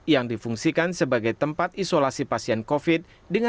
yang difungsikan sebagai tempat isolasi pasien covid sembilan belas